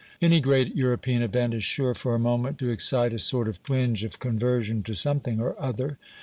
Any great European event is sure for a moment to excite a sort of twinge of conversion to something or other.